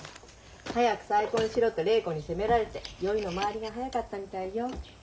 早く再婚しろって礼子にせめられて酔いの回りが早かったみたいよ。